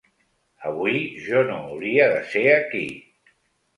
Avui jo no hauria de ser aquí.